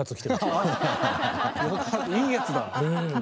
いいやつだ！